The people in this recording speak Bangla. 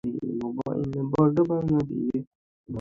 একটু আগেই জানিয়ে দিও, সাত মিনিটের মধ্যে এখান থেকে তোমাকে নিয়ে যাবো।